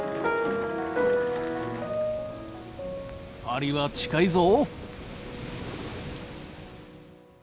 「パリは近いぞ！」。